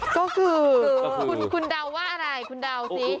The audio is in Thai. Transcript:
ก็คือคุณเดาว่าอะไรคุณเดาสิ